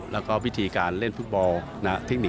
แล้วก็วิธีการเล่นฟุตบอล